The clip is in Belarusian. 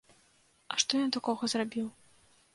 А што ён такога зрабіў?